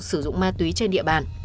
đối tượng sử dụng ma túy trên địa bàn